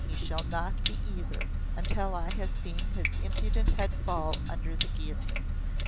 he shall not be either, until I have seen his impudent head fall under the guillotine."